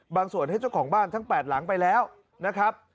ส่วนให้เจ้าของบ้านทั้ง๘หลังไปแล้วนะครับ